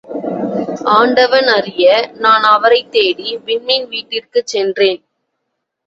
ஆண்டவன் அறிய நான் அவரைத் தேடி, விண்மீன் வீட்டிற்குச் சென்றேன்.